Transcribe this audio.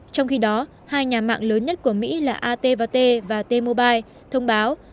trong khi đó hai nhà mạng lớn nhất của mỹ là at t và t mobile thông báo